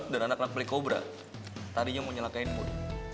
dan anak anak pelikobra tadinya mau nyalakanin mon